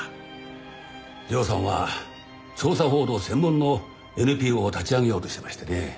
涼さんは調査報道専門のＮＰＯを立ち上げようとしてましてね。